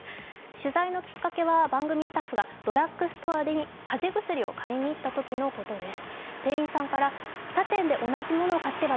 取材のきっかけは、番組スタッフがドラッグストアに風邪薬を買いに行ったときのことです。